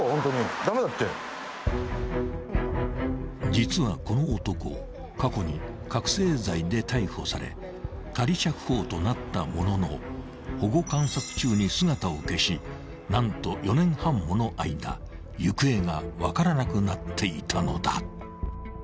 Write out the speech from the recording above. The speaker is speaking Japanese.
［実はこの男過去に覚醒剤で逮捕され仮釈放となったものの保護観察中に姿を消し何と４年半もの間行方が分からなくなっていたのだ］